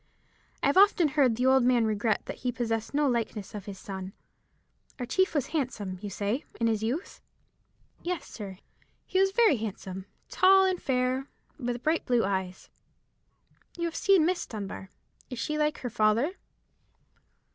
I have often heard the old man regret that he possessed no likeness of his son. Our chief was handsome, you say, in his youth?" "Yes, sir," Sampson Wilmot answered, "he was very handsome—tall and fair, with bright blue eyes." "You have seen Miss Dunbar: is she like her father?"